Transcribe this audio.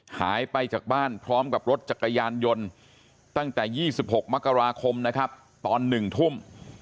หายไปจากบ้านพร้อมกับรถจักรยานยนต์ตั้งแต่๒๖มกราคมนะครับตอน๑ทุ่ม